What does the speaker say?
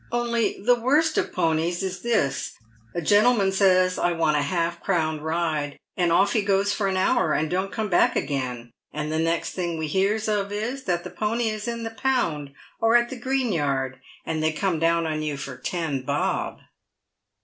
Only the worst of ponies is this : a gentleman says I want a half crown ride, and off he goes for a hour and don't come back again, and the next thing we hears of is, that the pony is in the pound or at the green yard, and they come down on you for ten bob."